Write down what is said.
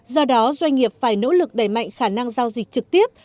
do đó doanh nghiệp phải nỗ lực đẩy mạnh khả năng giao dịch trực tiếp